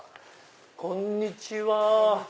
こんにちは。